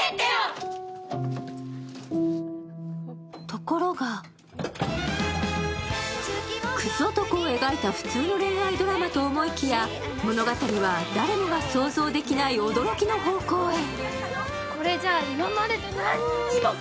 ところがクズ男を描いた普通の恋愛物語と思いきや、物語は誰もが想像できない驚きの方向へ。